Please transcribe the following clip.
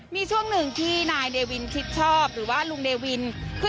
มีช่วงหนึ่งที่นายเดวินคิดชอบหรือว่าลุงเดวิน